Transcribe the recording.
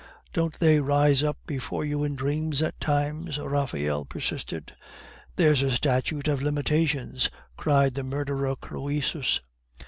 "Don't they rise up before you in dreams at times?" Raphael persisted. "There's a statute of limitations," said the murderer Croesus.